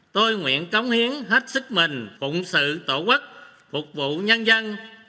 tôi nguyện cống hiến hết sức mình phụng sự tổ quốc phục vụ nhân dân